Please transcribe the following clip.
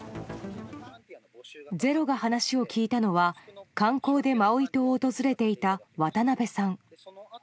「ｚｅｒｏ」が話を聞いたのは観光でマウイ島を訪れていた渡部さん。